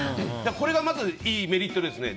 これがまず、いいメリットですね。